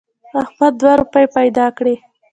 احمد دوه روپۍ پیدا کړې.